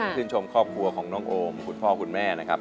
ชื่นชมครอบครัวของน้องโอมคุณพ่อคุณแม่นะครับ